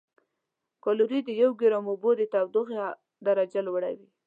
کالوري د یو ګرام اوبو د تودوخې درجه لوړوي.